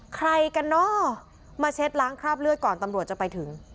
ใครกันเนอะมาเช็ดล้างคราบเลือดก่อนตำรวจจะไปถึง